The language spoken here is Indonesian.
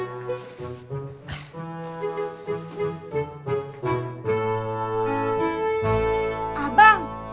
assalamualaikum neng rika